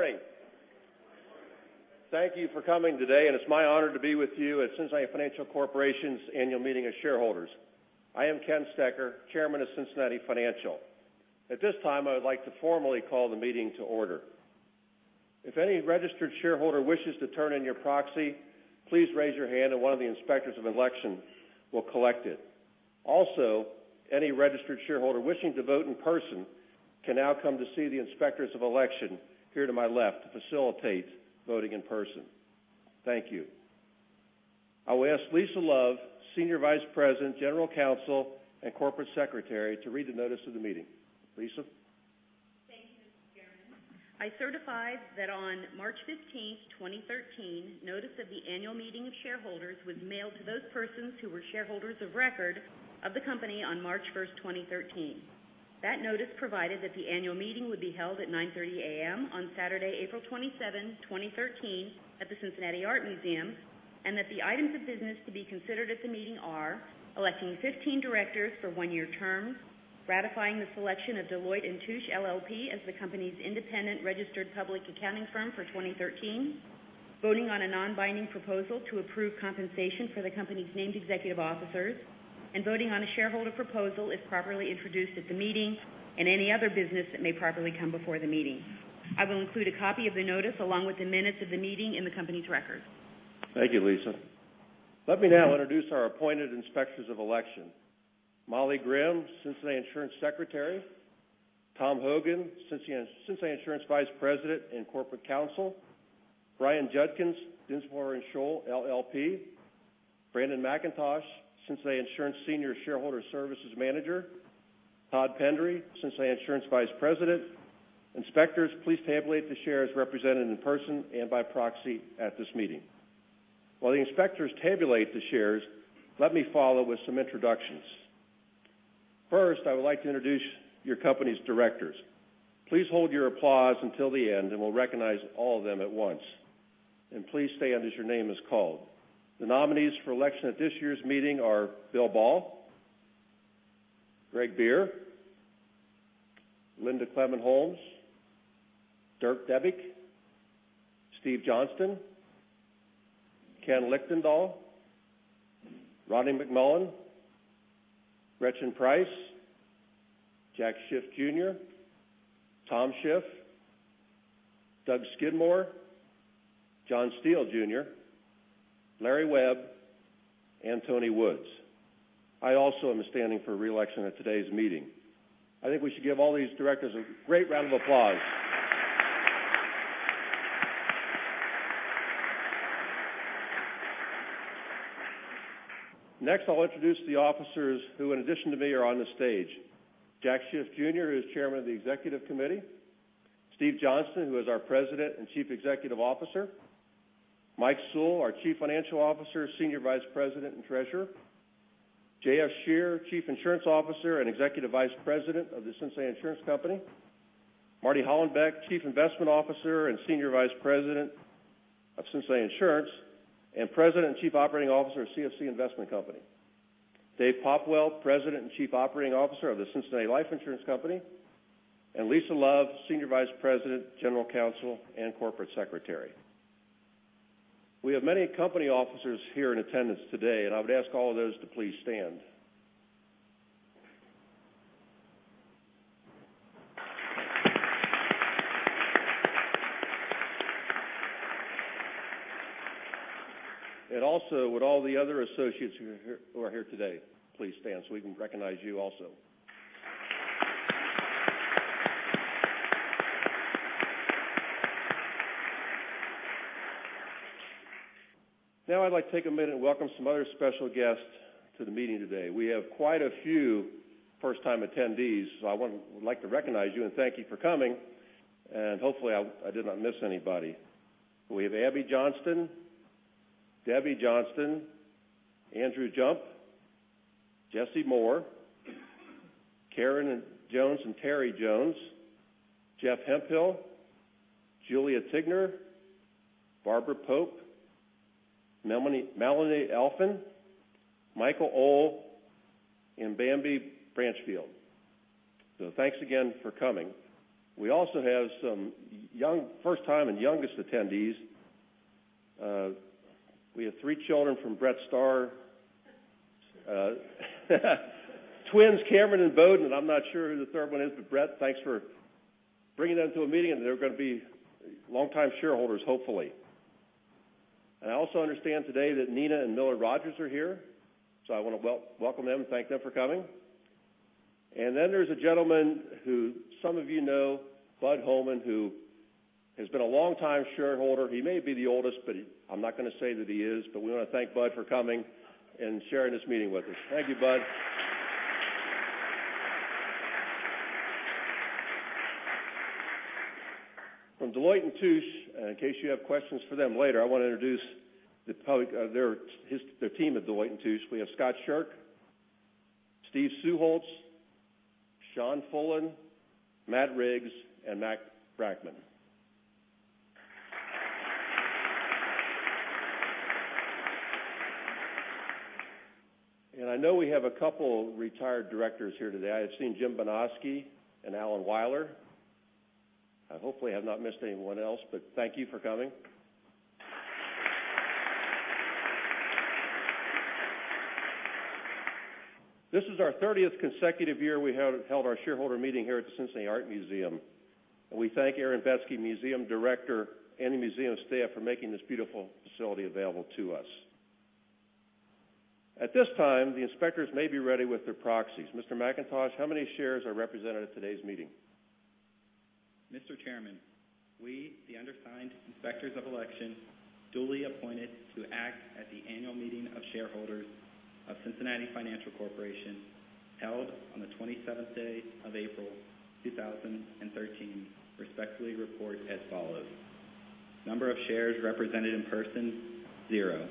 Good morning. Good morning. Thank you for coming today. It's my honor to be with you at Cincinnati Financial Corporation's annual meeting of shareholders. I am Ken Stecher, Chairman of Cincinnati Financial. At this time, I would like to formally call the meeting to order. If any registered shareholder wishes to turn in your proxy, please raise your hand and one of the Inspectors of Election will collect it. Also, any registered shareholder wishing to vote in person can now come to see the Inspectors of Election here to my left to facilitate voting in person. Thank you. I will ask Lisa Love, Senior Vice President, General Counsel, and Corporate Secretary, to read the notice of the meeting. Lisa? Thank you, Mr. Chairman. I certify that on March 15th, 2013, notice of the annual meeting of shareholders was mailed to those persons who were shareholders of record of the company on March 1st, 2013. That notice provided that the annual meeting would be held at 9:30 A.M. on Saturday, April 27, 2013, at the Cincinnati Art Museum, and that the items of business to be considered at the meeting are, electing 15 directors for one-year terms, ratifying the selection of Deloitte & Touche LLP, as the company's independent registered public accounting firm for 2013, voting on a non-binding proposal to approve compensation for the company's named executive officers, and voting on a shareholder proposal, if properly introduced at the meeting, and any other business that may properly come before the meeting. I will include a copy of the notice along with the minutes of the meeting in the company's records. Thank you, Lisa. Let me now introduce our appointed Inspectors of Election. Molly Grimm, Cincinnati Insurance Secretary. Tom Hogan, Cincinnati Insurance Vice President and Corporate Counsel. Brian Judkins, Dinsmore & Shohl, LLP. Brandon McIntosh, Cincinnati Insurance Senior Shareholder Services Manager. Todd Pendery, Cincinnati Insurance Vice President. Inspectors, please tabulate the shares represented in person and by proxy at this meeting. While the inspectors tabulate the shares, let me follow with some introductions. First, I would like to introduce your company's directors. Please hold your applause until the end, and we'll recognize all of them at once. Please stand as your name is called. The nominees for election at this year's meeting are Bill Bahl, Greg Bier, Linda Clement-Holmes, Dirk Debbink, Steve Johnston, Ken Lichtendahl, Rodney McMullen, Gretchen Price, Jack Schiff Jr., Tom Schiff, Doug Skidmore, John J. Schiff, Jr., Larry Webb, and Tony Woods. I also am standing for re-election at today's meeting. I think we should give all these directors a great round of applause. Next, I'll introduce the officers who, in addition to me, are on the stage. Jack Schiff Jr., who is Chairman of the Executive Committee. Steve Johnston, who is our President and Chief Executive Officer. Mike Sewell, our Chief Financial Officer, Senior Vice President, and Treasurer. J.F. Scherer, Chief Insurance Officer and Executive Vice President of The Cincinnati Insurance Company. Marty Hollenbeck, Chief Investment Officer and Senior Vice President of Cincinnati Insurance, and President and Chief Operating Officer of CFC Investment Company. Dave Popplewell, President and Chief Operating Officer of The Cincinnati Life Insurance Company. Lisa Love, Senior Vice President, General Counsel, and Corporate Secretary. We have many company officers here in attendance today, and I would ask all of those to please stand. Also, would all the other associates who are here today please stand so we can recognize you also? Now I'd like to take a minute and welcome some other special guests to the meeting today. We have quite a few first-time attendees, so I would like to recognize you and thank you for coming. Hopefully, I did not miss anybody. We have Abby Johnston, Debbie Johnston, Andrew Jump, Jesse Moore, Karen Jones, and Terry Jones, Jeff Hemphill, Julia Tigner, Barbara Pope, Melanie Elfin, Michael Ohl, and Bambi Branchfield. Thanks again for coming. We also have some first-time and youngest attendees. We have three children from Brett Starr. Twins Cameron and Bowden, and I'm not sure who the third one is, but Brett, thanks for bringing them to a meeting, and they're going to be long-time shareholders, hopefully. I also understand today that Nina and Miller Rogers are here. I want to welcome them and thank them for coming. There's a gentleman who some of you know, Bud Holman, who has been a long-time shareholder. He may be the oldest, but I'm not going to say that he is. We want to thank Bud for coming and sharing this meeting with us. Thank you, Bud. From Deloitte & Touche, in case you have questions for them later, I want to introduce the team of Deloitte & Touche. We have Scott Shirk, Steve Suholtz, Sean Fullen, Matt Riggs, and Mack Brackman. I know we have a couple retired directors here today. I have seen Jim Benoski and Alan Weiler. I hopefully have not missed anyone else. Thank you for coming. This is our 30th consecutive year we have held our shareholder meeting here at the Cincinnati Art Museum. We thank Aaron Betsky, museum director, and the museum staff for making this beautiful facility available to us. At this time, the inspectors may be ready with their proxies. Mr. McIntosh, how many shares are represented at today's meeting? Mr. Chairman, we, the undersigned inspectors of election, duly appointed to act at the annual meeting of shareholders of Cincinnati Financial Corporation held on the 27th day of April 2013, respectfully report as follows. Number of shares represented in person, zero.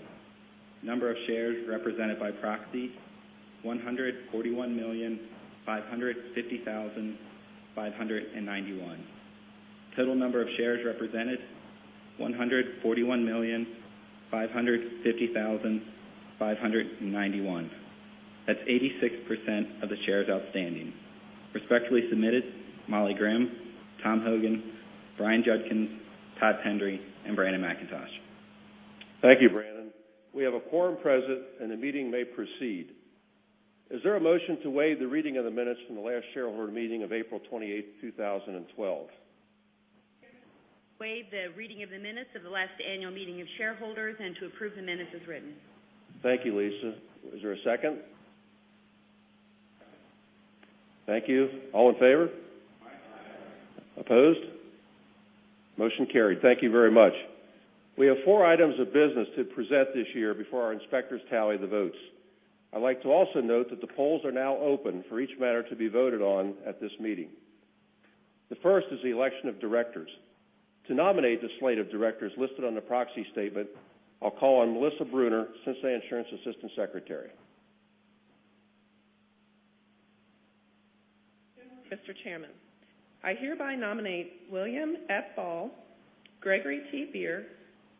Number of shares represented by proxy, 141,550,591. Total number of shares represented, 141,550,591. That's 86% of the shares outstanding. Respectfully submitted, Molly Grimm, Tom Hogan, Brian Judkins, Todd Pendery, and Brandon McIntosh. Thank you, Brandon. We have a quorum present. The meeting may proceed. Is there a motion to waive the reading of the minutes from the last shareholder meeting of April 28th 2012? Waive the reading of the minutes of the last annual meeting of shareholders and to approve the minutes as written. Thank you, Lisa. Is there a second? Thank you. All in favor? Aye. Opposed? Motion carried. Thank you very much. We have four items of business to present this year before our inspectors tally the votes. I'd like to also note that the polls are now open for each matter to be voted on at this meeting. The first is the election of directors. To nominate the slate of directors listed on the proxy statement, I'll call on Melissa Bruner, Cincinnati Insurance Assistant Secretary. Mr. Chairman, I hereby nominate William F. Bahl, Gregory T. Bier,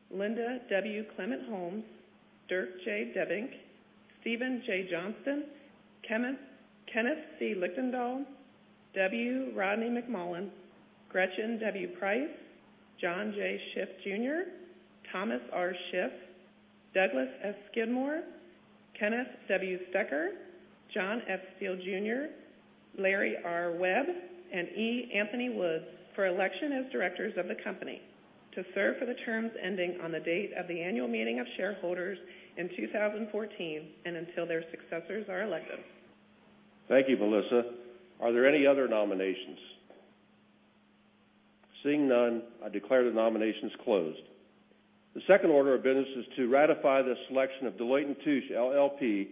Linda W. Clement-Holmes, Dirk J. Debbink, Steven J. Johnston, Kenneth C. Lichtendahl, W. Rodney McMullen, Gretchen W. Price, John J. Schiff, Jr., Thomas R. Schiff, Douglas S. Skidmore, Kenneth W. Stecher, John S. Steele, Jr., Larry R. Webb, and E. Anthony Woods for election as directors of the company to serve for the terms ending on the date of the annual meeting of shareholders in 2014 and until their successors are elected. Thank you, Melissa. Are there any other nominations? Seeing none, I declare the nominations closed. The second order of business is to ratify the selection of Deloitte & Touche LLP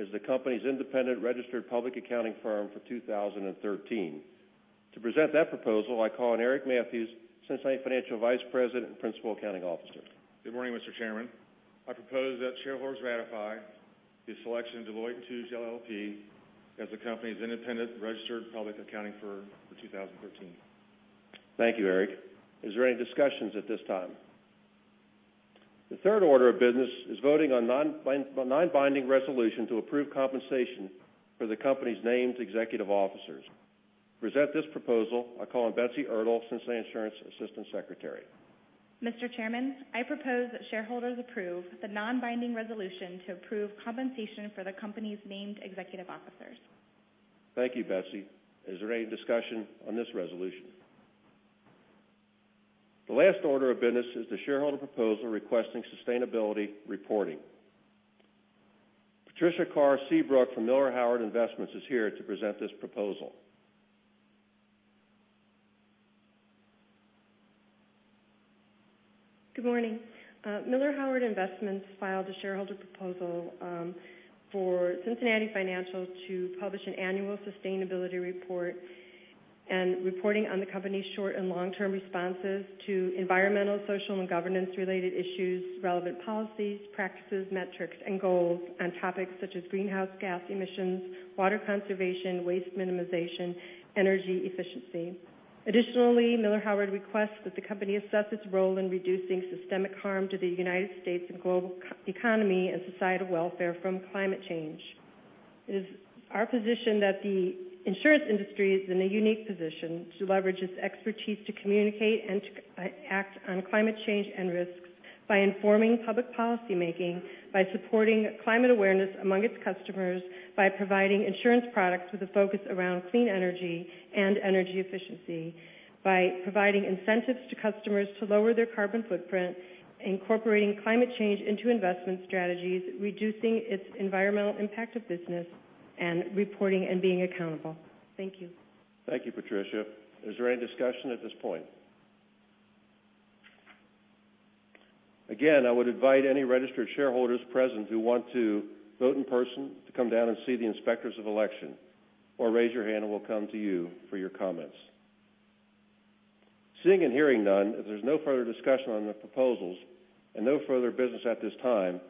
as the company's independent registered public accounting firm for 2013. To present that proposal, I call on Eric Mathews, Cincinnati Financial Vice President and Principal Accounting Officer. Good morning, Mr. Chairman. I propose that shareholders ratify the selection of Deloitte & Touche LLP as the company's independent registered public accounting firm for 2013. Thank you, Eric. Is there any discussions at this time? The third order of business is voting on non-binding resolution to approve compensation for the company's named executive officers. To present this proposal, I call on Betsy Ertl, Cincinnati Insurance Assistant Secretary. Mr. Chairman, I propose that shareholders approve the non-binding resolution to approve compensation for the company's named executive officers. Thank you, Betsy. Is there any discussion on this resolution? The last order of business is the shareholder proposal requesting sustainability reporting. Patricia Karr Seabrook from Miller Howard Investments is here to present this proposal. Good morning. Miller Howard Investments filed a shareholder proposal for Cincinnati Financial to publish an annual sustainability report and reporting on the company's short and long-term responses to environmental, social, and governance related issues, relevant policies, practices, metrics, and goals on topics such as greenhouse gas emissions, water conservation, waste minimization, energy efficiency. Additionally, Miller Howard requests that the company assess its role in reducing systemic harm to the U.S. and global economy and societal welfare from climate change. It is our position that the insurance industry is in a unique position to leverage its expertise to communicate and to act on climate change and risks by informing public policymaking, by supporting climate awareness among its customers, by providing insurance products with a focus around clean energy and energy efficiency, by providing incentives to customers to lower their carbon footprint, incorporating climate change into investment strategies, reducing its environmental impact of business, and reporting and being accountable. Thank you. Thank you, Patricia. Is there any discussion at this point? Again, I would invite any registered shareholders present who want to vote in person to come down and see the inspectors of election or raise your hand, and we'll come to you for your comments. Seeing and hearing none, if there's no further discussion on the proposals and no further business at this time,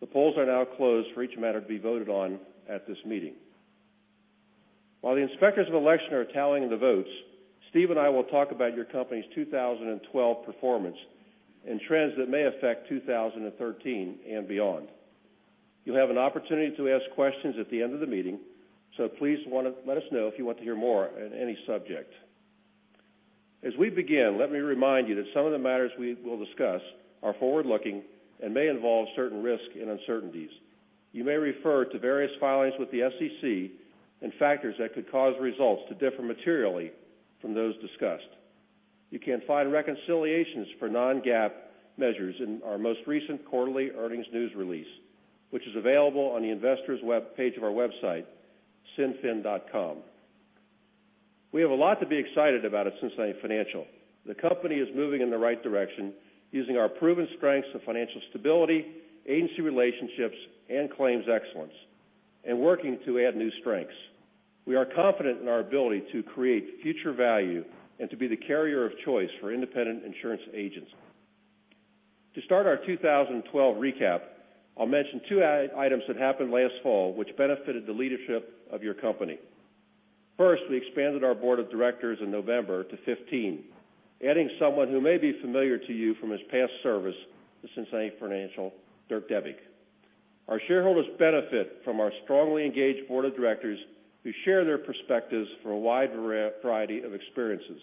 the polls are now closed for each matter to be voted on at this meeting. While the inspectors of election are tallying the votes, Steve and I will talk about your company's 2012 performance and trends that may affect 2013 and beyond. You'll have an opportunity to ask questions at the end of the meeting, so please let us know if you want to hear more on any subject. As we begin, let me remind you that some of the matters we will discuss are forward-looking and may involve certain risks and uncertainties. You may refer to various filings with the SEC and factors that could cause results to differ materially from those discussed. You can find reconciliations for non-GAAP measures in our most recent quarterly earnings news release, which is available on the investors page of our website, cinfin.com. We have a lot to be excited about at Cincinnati Financial. The company is moving in the right direction using our proven strengths of financial stability, agency relationships, and claims excellence, and working to add new strengths. We are confident in our ability to create future value and to be the carrier of choice for independent insurance agents. To start our 2012 recap, I will mention two items that happened last fall which benefited the leadership of your company. First, we expanded our board of directors in November to 15, adding someone who may be familiar to you from his past service to Cincinnati Financial, Dirk Debbink. Our shareholders benefit from our strongly engaged board of directors who share their perspectives for a wide variety of experiences.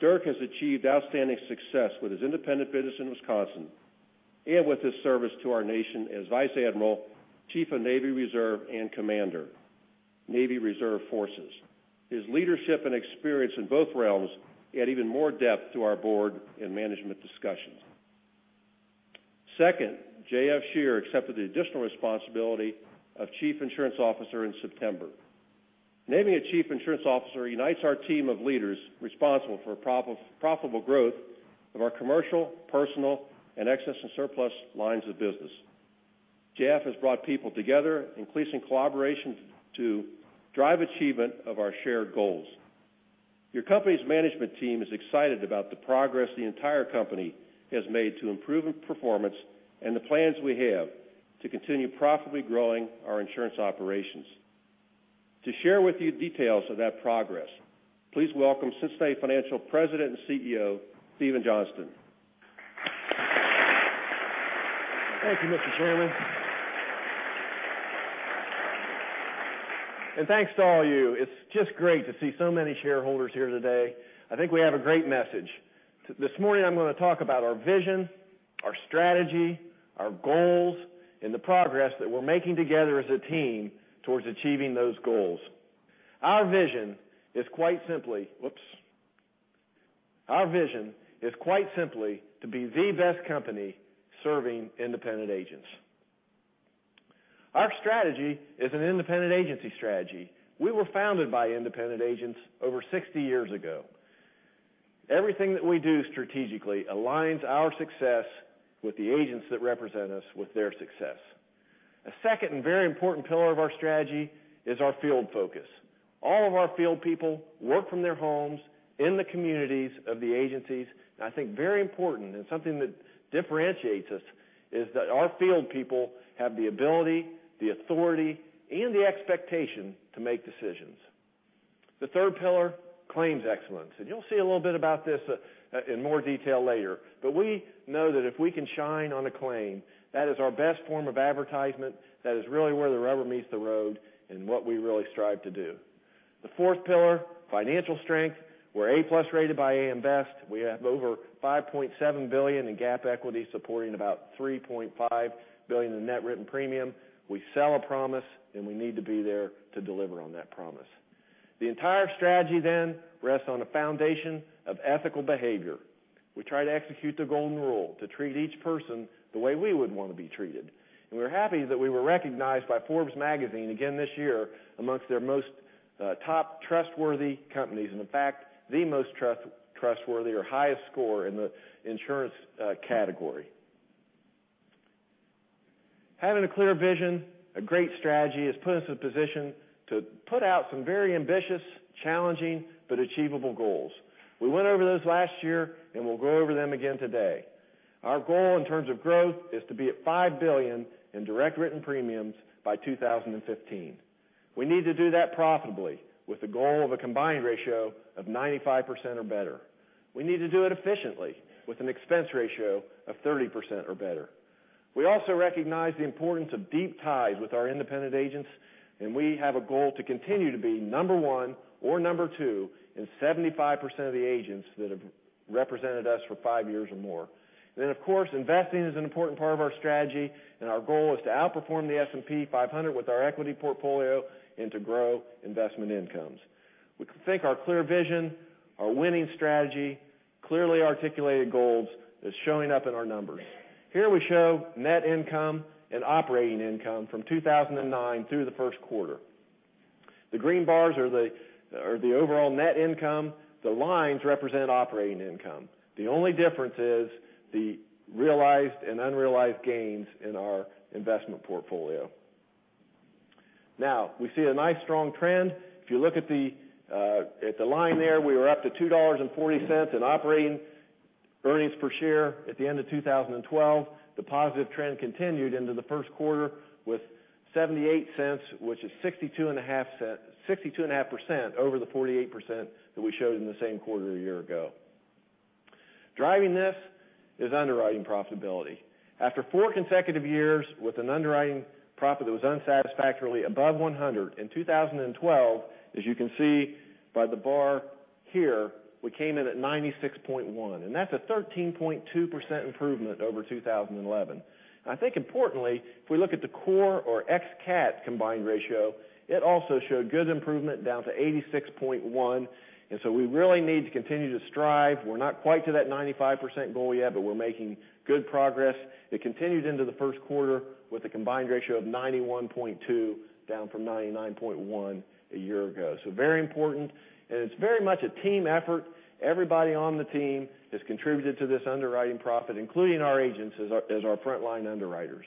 Dirk has achieved outstanding success with his independent business in Wisconsin and with his service to our nation as Vice Admiral, Chief of Navy Reserve, and Commander, Navy Reserve Forces. His leadership and experience in both realms add even more depth to our board and management discussions. Second, J.F. Scherer accepted the additional responsibility of Chief Insurance Officer in September. Naming a Chief Insurance Officer unites our team of leaders responsible for profitable growth of our commercial, personal, and excess and surplus lines of business. J.F. has brought people together, increasing collaboration to drive achievement of our shared goals. Your company's management team is excited about the progress the entire company has made to improve performance and the plans we have to continue profitably growing our insurance operations. To share with you details of that progress, please welcome Cincinnati Financial President and CEO, Steven Johnston. Thank you, Mr. Chairman. Thanks to all you. It is just great to see so many shareholders here today. I think we have a great message. This morning I am going to talk about our vision, our strategy, our goals, and the progress that we are making together as a team towards achieving those goals. Our vision is quite simply to be the best company serving independent agents. Our strategy is an independent agency strategy. We were founded by independent agents over 60 years ago. Everything that we do strategically aligns our success with the agents that represent us with their success. A second and very important pillar of our strategy is our field focus. All of our field people work from their homes in the communities of the agencies, and I think very important, and something that differentiates us, is that our field people have the ability, the authority, and the expectation to make decisions. The third pillar, claims excellence, and you'll see a little bit about this in more detail later. We know that if we can shine on a claim, that is our best form of advertisement, that is really where the rubber meets the road, and what we really strive to do. The fourth pillar, financial strength. We're A+ rated by AM Best. We have over $5.7 billion in GAAP equity supporting about $3.5 billion in net written premium. We sell a promise, and we need to be there to deliver on that promise. The entire strategy rests on a foundation of ethical behavior. We try to execute the golden rule, to treat each person the way we would want to be treated. We're happy that we were recognized by Forbes magazine again this year amongst their most top trustworthy companies, and in fact, the most trustworthy or highest score in the insurance category. Having a clear vision, a great strategy has put us in a position to put out some very ambitious, challenging, but achievable goals. We went over those last year, and we'll go over them again today. Our goal in terms of growth is to be at $5 billion in direct written premiums by 2015. We need to do that profitably with a goal of a combined ratio of 95% or better. We need to do it efficiently with an expense ratio of 30% or better. We also recognize the importance of deep ties with our independent agents, and we have a goal to continue to be number one or number two in 75% of the agents that have represented us for five years or more. Of course, investing is an important part of our strategy, and our goal is to outperform the S&P 500 with our equity portfolio and to grow investment incomes. We think our clear vision, our winning strategy, clearly articulated goals is showing up in our numbers. Here we show net income and operating income from 2009 through the first quarter. The green bars are the overall net income. The lines represent operating income. The only difference is the realized and unrealized gains in our investment portfolio. Now, we see a nice strong trend. If you look at the line there, we were up to $2.40 in operating income Earnings per share at the end of 2012, the positive trend continued into the first quarter with $0.78, which is 62.5% over the 48% that we showed in the same quarter a year ago. Driving this is underwriting profitability. After four consecutive years with an underwriting profit that was unsatisfactorily above 100 in 2012, as you can see by the bar here, we came in at 96.1%, and that's a 13.2% improvement over 2011. I think importantly, if we look at the core or ex-CAT combined ratio, it also showed good improvement down to 86.1%. We really need to continue to strive. We're not quite to that 95% goal yet, but we're making good progress. It continued into the first quarter with a combined ratio of 91.2, down from 99.1 a year ago. Very important, and it's very much a team effort. Everybody on the team has contributed to this underwriting profit, including our agents as our frontline underwriters.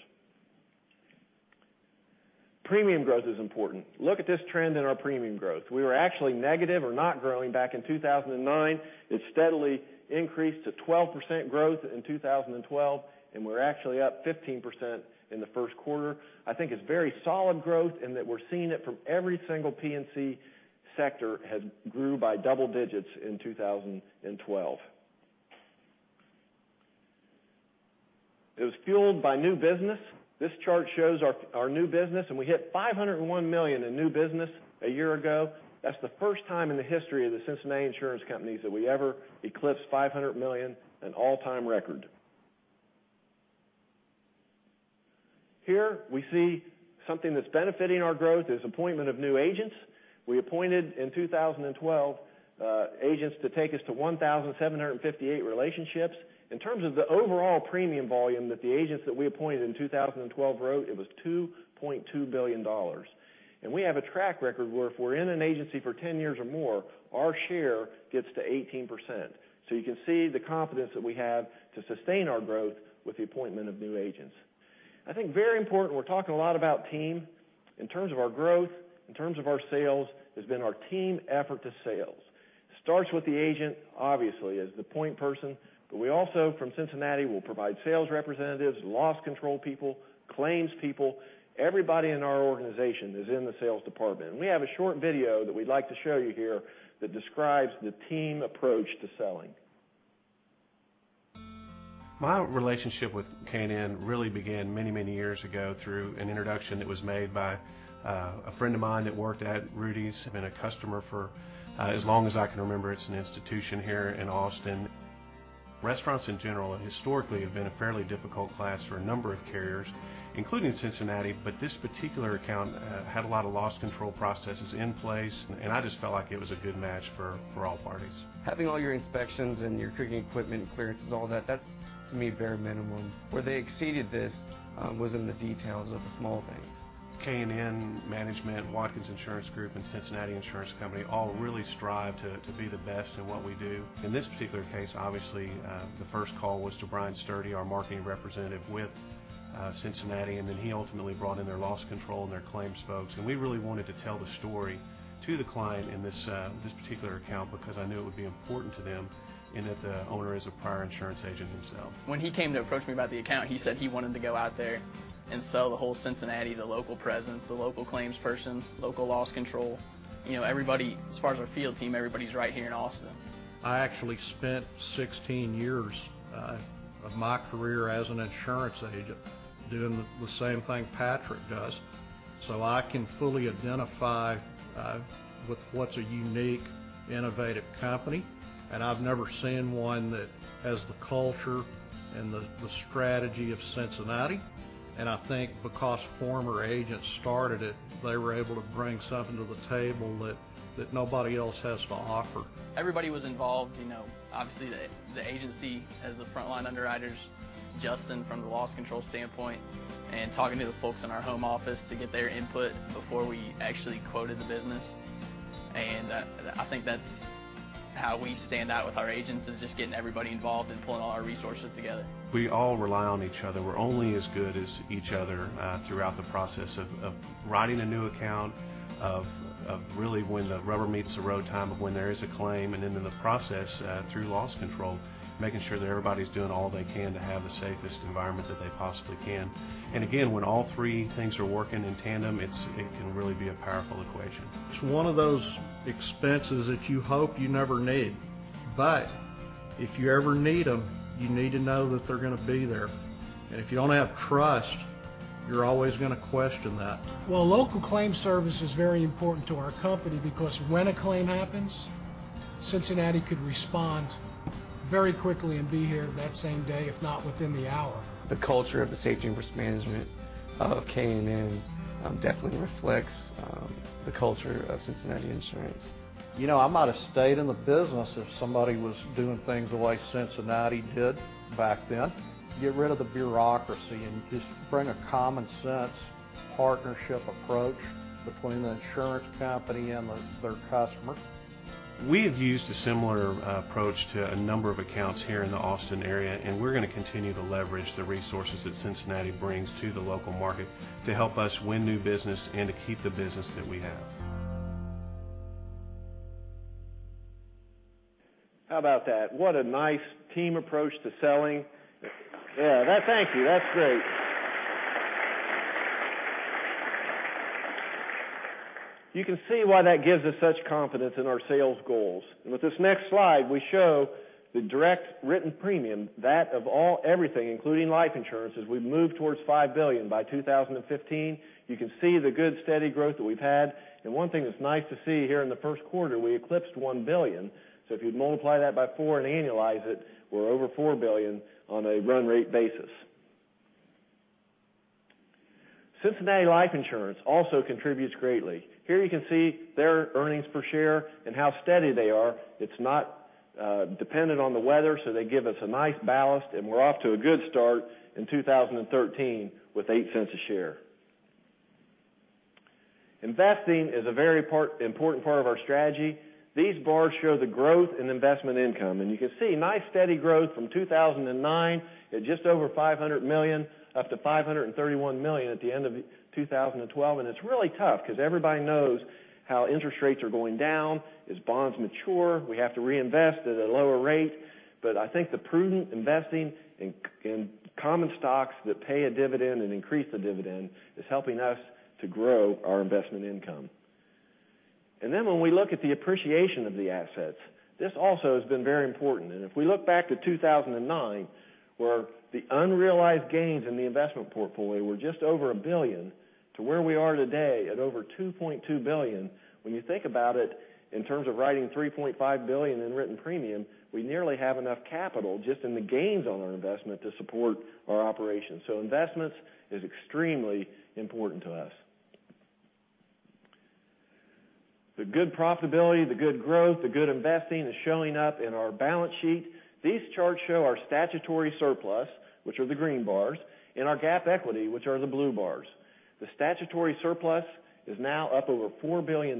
Premium growth is important. Look at this trend in our premium growth. We were actually negative or not growing back in 2009. It steadily increased to 12% growth in 2012, and we're actually up 15% in the first quarter. I think it's very solid growth in that we're seeing it from every single P&C sector had grew by double digits in 2012. It was fueled by new business. This chart shows our new business, and we hit $501 million in new business a year ago. That's the first time in the history of The Cincinnati Insurance Companies that we ever eclipsed $500 million, an all-time record. Here we see something that's benefiting our growth is appointment of new agents. We appointed in 2012, agents to take us to 1,758 relationships. In terms of the overall premium volume that the agents that we appointed in 2012 wrote, it was $2.2 billion. We have a track record where if we're in an agency for 10 years or more, our share gets to 18%. You can see the confidence that we have to sustain our growth with the appointment of new agents. I think very important, we're talking a lot about team in terms of our growth, in terms of our sales, has been our team effort to sales. Starts with the agent, obviously, as the point person, but we also, from Cincinnati, will provide sales representatives, loss control people, claims people. Everybody in our organization is in the sales department, we have a short video that we'd like to show you here that describes the team approach to selling. My relationship with K&N really began many, many years ago through an introduction that was made by a friend of mine that worked at Rudy's. Been a customer for as long as I can remember. It's an institution here in Austin. Restaurants in general historically have been a fairly difficult class for a number of carriers, including Cincinnati, but this particular account had a lot of loss control processes in place, I just felt like it was a good match for all parties. Having all your inspections and your cooking equipment and clearances all that's to me, bare minimum. Where they exceeded this was in the details of the small things. K&N Management, Watkins Insurance Group, and Cincinnati Insurance Company all really strive to be the best at what we do. In this particular case, obviously, the first call was to Brian Sturdy, our marketing representative with Cincinnati. He ultimately brought in their loss control and their claims folks. We really wanted to tell the story to the client in this particular account because I knew it would be important to them in that the owner is a prior insurance agent himself. When he came to approach me about the account, he said he wanted to go out there and sell the whole Cincinnati, the local presence, the local claims person, local loss control. As far as our field team, everybody's right here in Austin. I actually spent 16 years of my career as an insurance agent doing the same thing Patrick does. I can fully identify with what's a unique, innovative company, and I've never seen one that has the culture and the strategy of Cincinnati. I think because former agents started it, they were able to bring something to the table that nobody else has to offer. Everybody was involved. Obviously, the agency as the frontline underwriters, Justin from the loss control standpoint, talking to the folks in our home office to get their input before we actually quoted the business. I think that's how we stand out with our agents is just getting everybody involved and pulling all our resources together. We all rely on each other. We're only as good as each other throughout the process of writing a new account, of really when the rubber meets the road time of when there is a claim, and then in the process through loss control, making sure that everybody's doing all they can to have the safest environment that they possibly can. Again, when all three things are working in tandem, it can really be a powerful equation. It's one of those expenses that you hope you never need, but if you ever need them, you need to know that they're going to be there, and if you don't have trust, you're always going to question that. Well, local claim service is very important to our company because when a claim happens, Cincinnati could respond very quickly and be here that same day, if not within the hour. The culture of the safety and risk management of K&N definitely reflects the culture of Cincinnati Insurance. I might have stayed in the business if somebody was doing things the way Cincinnati did back then. Get rid of the bureaucracy and just bring a common-sense partnership approach between the insurance company and their customer. We have used a similar approach to a number of accounts here in the Austin area. We're going to continue to leverage the resources that Cincinnati brings to the local market to help us win new business and to keep the business that we have. How about that? What a nice team approach to selling. Yeah. Thank you. That's great. You can see why that gives us such confidence in our sales goals. With this next slide, we show the direct written premium, that of everything, including life insurance, as we move towards $5 billion by 2015. You can see the good steady growth that we've had. One thing that's nice to see here in the first quarter, we eclipsed $1 billion. If you'd multiply that by four and annualize it, we're over $4 billion on a run rate basis. Cincinnati Life Insurance also contributes greatly. Here you can see their earnings per share and how steady they are. It's not dependent on the weather, so they give us a nice ballast. We're off to a good start in 2013 with $0.08 a share. Investing is a very important part of our strategy. These bars show the growth in investment income. You can see nice steady growth from 2009 at just over $500 million up to $531 million at the end of 2012. It's really tough because everybody knows how interest rates are going down. As bonds mature, we have to reinvest at a lower rate. I think the prudent investing in common stocks that pay a dividend and increase the dividend is helping us to grow our investment income. When we look at the appreciation of the assets, this also has been very important. If we look back to 2009 where the unrealized gains in the investment portfolio were just over $1 billion, to where we are today at over $2.2 billion, when you think about it in terms of writing $3.5 billion in written premium, we nearly have enough capital just in the gains on our investment to support our operations. Investments is extremely important to us. The good profitability, the good growth, the good investing is showing up in our balance sheet. These charts show our statutory surplus, which are the green bars, and our GAAP equity, which are the blue bars. The statutory surplus is now up over $4 billion,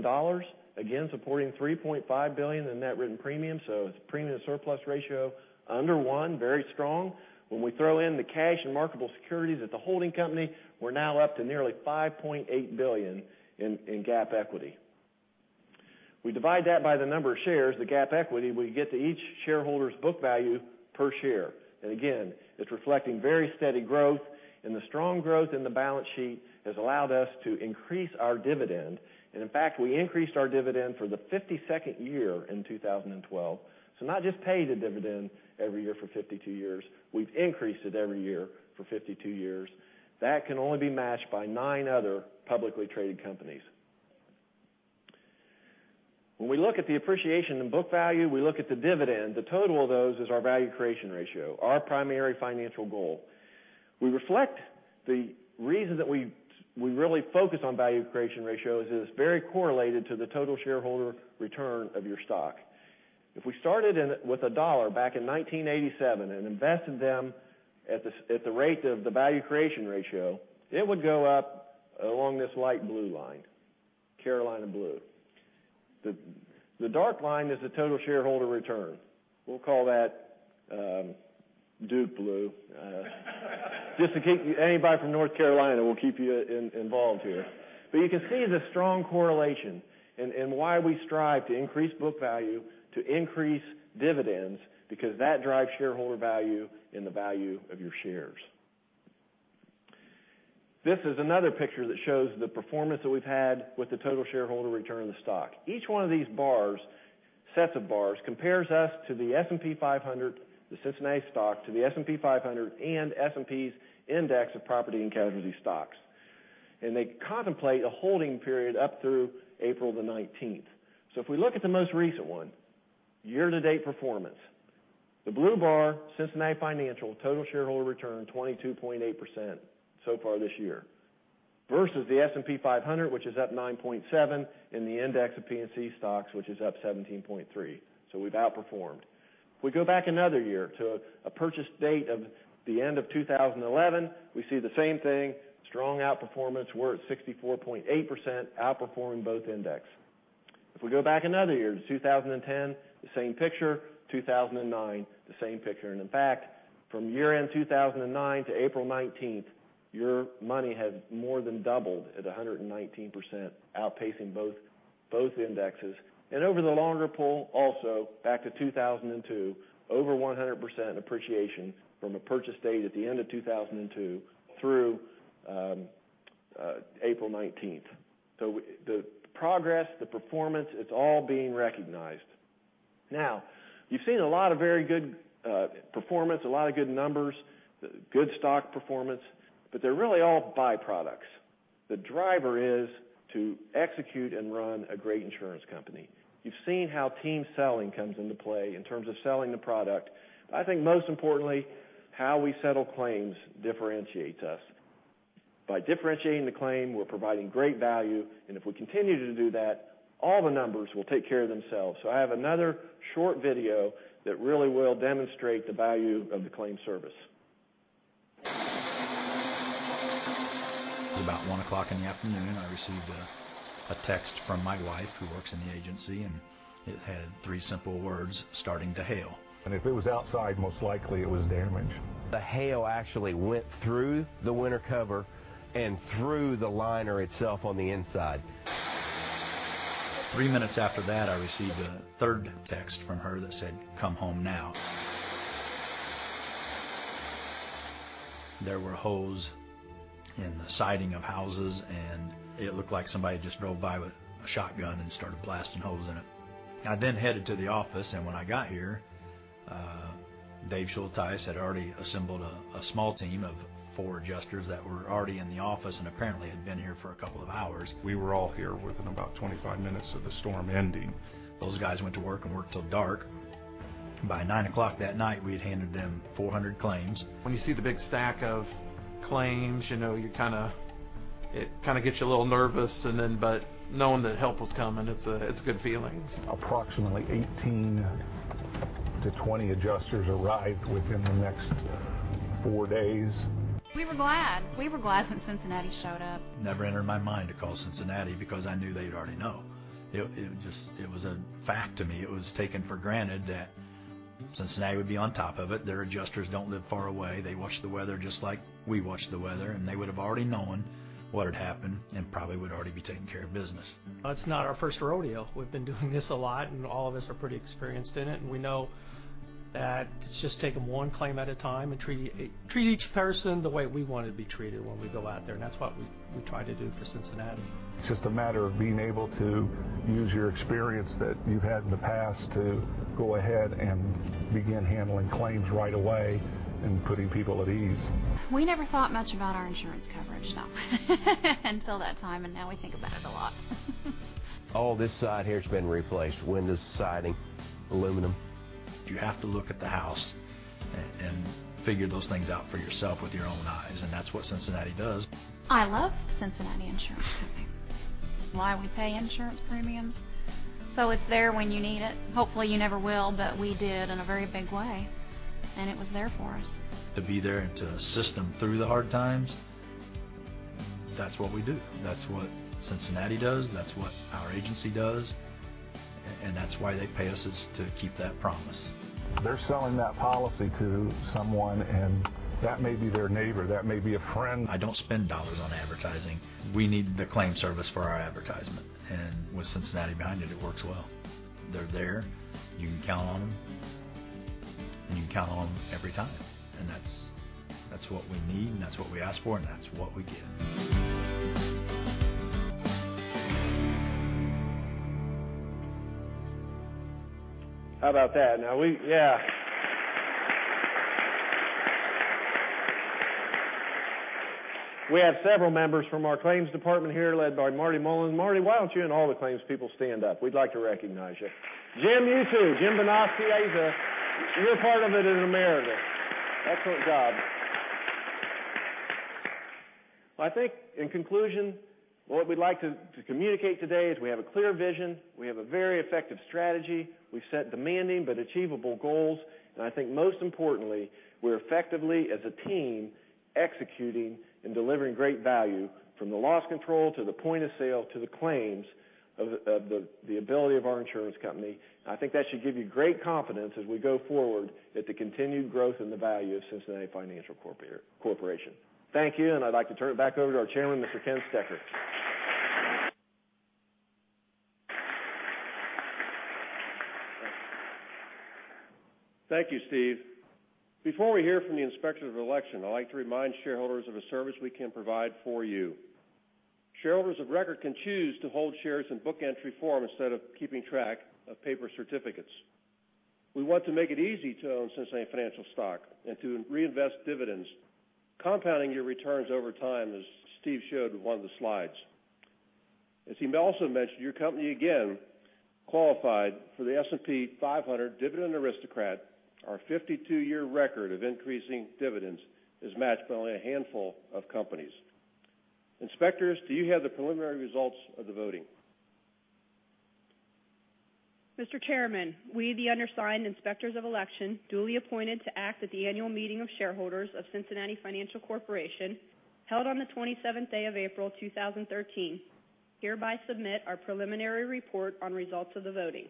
again, supporting $3.5 billion in net written premiums. It's a premium surplus ratio, under one, very strong. When we throw in the cash and marketable securities at the holding company, we're now up to nearly $5.8 billion in GAAP equity. We divide that by the number of shares, the GAAP equity, we get to each shareholder's book value per share. Again, it's reflecting very steady growth. The strong growth in the balance sheet has allowed us to increase our dividend. In fact, we increased our dividend for the 52nd year in 2012. Not just paid a dividend every year for 52 years, we've increased it every year for 52 years. That can only be matched by nine other publicly traded companies. When we look at the appreciation in book value, we look at the dividend, the total of those is our value creation ratio, our primary financial goal. We reflect the reason that we really focus on value creation ratio is it's very correlated to the total shareholder return of your stock. If we started with a dollar back in 1987 and invested them at the rate of the value creation ratio, it would go up along this light blue line, Carolina blue. The dark line is the total shareholder return. We'll call that, Duke blue. Just to keep anybody from North Carolina, we'll keep you involved here. You can see the strong correlation and why we strive to increase book value, to increase dividends, because that drives shareholder value and the value of your shares. This is another picture that shows the performance that we've had with the total shareholder return on the stock. Each one of these sets of bars compares us to the S&P 500, the Cincinnati stock to the S&P 500, and S&P's Index of Property and Casualty stocks. They contemplate a holding period up through April 19th. If we look at the most recent one, year-to-date performance, the blue bar, Cincinnati Financial total shareholder return 22.8% so far this year. Versus the S&P 500, which is up 9.7%, and the Index of P&C stocks, which is up 17.3%. We've outperformed. If we go back another year to a purchase date of the end of 2011, we see the same thing, strong outperformance. We're at 64.8%, outperforming both indexes. If we go back another year to 2010, the same picture. 2009, the same picture. In fact, from year-end 2009 to April 19th, your money has more than doubled at 119%, outpacing both indexes. Over the longer pull also, back to 2002, over 100% appreciation from a purchase date at the end of 2002 through April 19th. The progress, the performance, it's all being recognized. You've seen a lot of very good performance, a lot of good numbers, good stock performance, but they're really all byproducts. The driver is to execute and run a great insurance company. You've seen how team selling comes into play in terms of selling the product. I think most importantly, how we settle claims differentiates us. By differentiating the claim, we're providing great value, and if we continue to do that, all the numbers will take care of themselves. I have another short video that really will demonstrate the value of the claim service. At about 1:00 in the afternoon, I received a text from my wife, who works in the agency and it had three simple words: "Starting to hail. If it was outside, most likely it was damaged. The hail actually went through the winter cover and through the liner itself on the inside. Three minutes after that, I received a third text from her that said, "Come home now." There were holes in the siding of houses, it looked like somebody had just drove by with a shotgun and started blasting holes in it. I headed to the office, when I got here, David Schultheis had already assembled a small team of four adjusters that were already in the office and apparently had been here for a couple of hours. We were all here within about 25 minutes of the storm ending. Those guys went to work worked till dark. By 9:00 that night, we had handed them 400 claims. When you see the big stack of claims, it kind of gets you a little nervous, but knowing that help was coming, it's a good feeling. Approximately 18 to 20 adjusters arrived within the next four days. We were glad. We were glad when Cincinnati showed up. Never entered my mind to call Cincinnati because I knew they'd already know. It was a fact to me. It was taken for granted that Cincinnati would be on top of it. Their adjusters don't live far away. They watch the weather just like we watch the weather, and they would've already known what had happened and probably would already be taking care of business. It's not our first rodeo. We've been doing this a lot, and all of us are pretty experienced in it, and we know that it's just taking one claim at a time and treat each person the way we want to be treated when we go out there, and that's what we try to do for Cincinnati. It's just a matter of being able to use your experience that you've had in the past to go ahead and begin handling claims right away and putting people at ease. We never thought much about our insurance coverage until that time, and now we think about it a lot. All this side here's been replaced. Windows, siding, aluminum. You have to look at the house and figure those things out for yourself with your own eyes, and that's what Cincinnati does. I love Cincinnati Insurance Company. It's why we pay insurance premiums. It's there when you need it. Hopefully, you never will, but we did in a very big way, and it was there for us. To be there and to assist them through the hard times, that's what we do. That's what Cincinnati does. That's what our agency does. That's why they pay us, is to keep that promise. They're selling that policy to someone, and that may be their neighbor, that may be a friend. I don't spend dollars on advertising. We need the claim service for our advertisement, and with Cincinnati behind it works well. They're there. You can count on them, and you can count on them every time. That's what we need, and that's what we ask for, and that's what we get. How about that? We have several members from our claims department here led by Marty Mullen. Marty, why don't you and all the claims people stand up? We'd like to recognize you. Jim, you, too. Jim Benoski, you're part of it [and everything. Excellent job. I think in conclusion, what we'd like to communicate today is we have a clear vision. We have a very effective strategy. We've set demanding but achievable goals, and I think most importantly, we're effectively, as a team, executing and delivering great value from the loss control to the point of sale to the claims of the ability of our insurance company. I think that should give you great confidence as we go forward at the continued growth and the value of Cincinnati Financial Corporation. Thank you. I'd like to turn it back over to our chairman, Mr. Ken Stecher. Thank you, Steve. Before we hear from the inspectors of election, I'd like to remind shareholders of a service we can provide for you. Shareholders of record can choose to hold shares in book entry form instead of keeping track of paper certificates. We want to make it easy to own Cincinnati Financial stock and to reinvest dividends, compounding your returns over time, as Steve showed in one of the slides. As he also mentioned, your company again qualified for the S&P 500 Dividend Aristocrats. Our 52-year record of increasing dividends is matched by only a handful of companies. Inspectors, do you have the preliminary results of the voting? Mr. Chairman, we, the undersigned inspectors of election, duly appointed to act at the annual meeting of shareholders of Cincinnati Financial Corporation, held on the 27th day of April, 2013, hereby submit our preliminary report on results of the voting.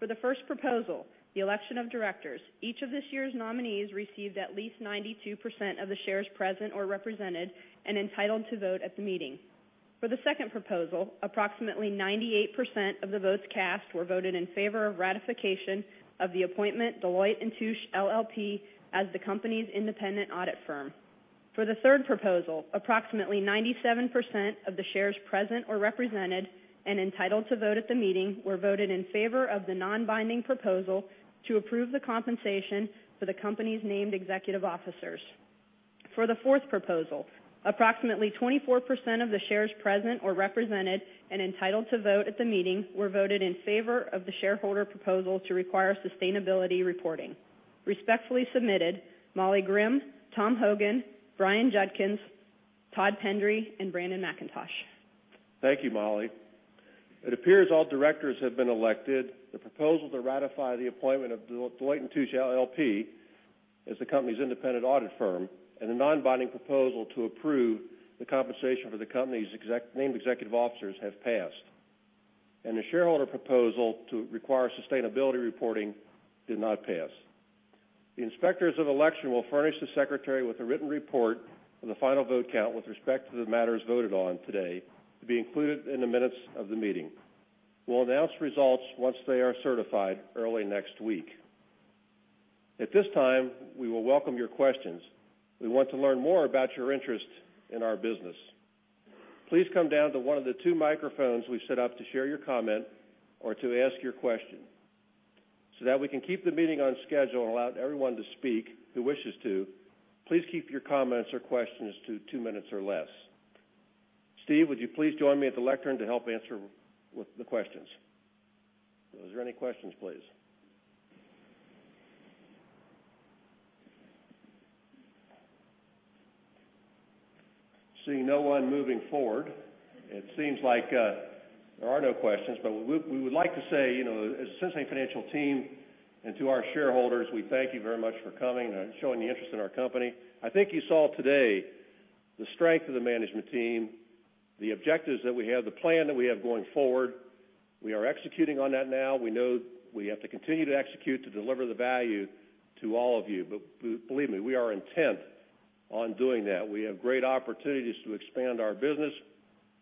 For the first proposal, the election of directors, each of this year's nominees received at least 92% of the shares present or represented and entitled to vote at the meeting. For the second proposal, approximately 98% of the votes cast were voted in favor of ratification of the appointment Deloitte & Touche LLP as the company's independent audit firm. For the third proposal, approximately 97% of the shares present or represented and entitled to vote at the meeting were voted in favor of the non-binding proposal to approve the compensation for the company's named executive officers. For the fourth proposal, approximately 24% of the shares present or represented and entitled to vote at the meeting were voted in favor of the shareholder proposal to require sustainability reporting. Respectfully submitted, Molly Grimm, Tom Hogan, Brian Judkins, Todd Pendery, and Brandon McIntosh. Thank you, Molly. It appears all directors have been elected. The proposal to ratify the appointment of Deloitte & Touche LLP as the company's independent audit firm, and a non-binding proposal to approve the compensation for the company's named executive officers have passed. The shareholder proposal to require sustainability reporting did not pass. The Inspectors of Election will furnish the Secretary with a written report of the final vote count with respect to the matters voted on today to be included in the minutes of the meeting. We'll announce results once they are certified early next week. At this time, we will welcome your questions. We want to learn more about your interest in our business. Please come down to one of the two microphones we've set up to share your comment or to ask your question. That we can keep the meeting on schedule and allow everyone to speak who wishes to, please keep your comments or questions to two minutes or less. Steve, would you please join me at the lectern to help answer the questions? If there's any questions, please. Seeing no one moving forward, it seems like there are no questions. We would like to say, as the Cincinnati Financial team and to our shareholders, we thank you very much for coming and showing the interest in our company. I think you saw today the strength of the management team, the objectives that we have, the plan that we have going forward. We are executing on that now. We know we have to continue to execute to deliver the value to all of you. We are intent on doing that. We have great opportunities to expand our business.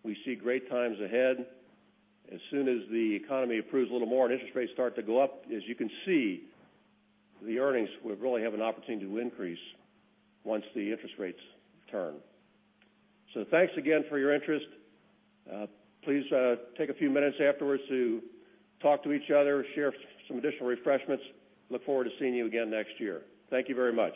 We see great times ahead. As soon as the economy improves a little more and interest rates start to go up, as you can see, the earnings will really have an opportunity to increase once the interest rates turn. Thanks again for your interest. Please take a few minutes afterwards to talk to each other, share some additional refreshments. Look forward to seeing you again next year. Thank you very much.